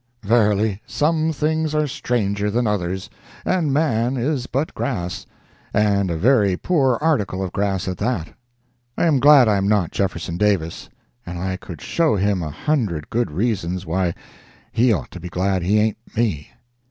Verily, some things are stranger than others, and man is but grass, and a very poor article of grass at that. I am glad I am not Jefferson Davis, and I could show him a hundred good reasons why he ought to be glad he ain't me.